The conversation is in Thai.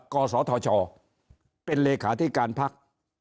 กศธชเป็นเลขาธิการพัก